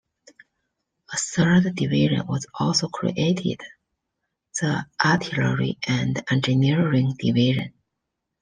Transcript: A third division was also created: the artillery and engineering division.